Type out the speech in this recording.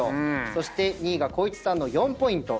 そして２位が光一さんの４ポイント。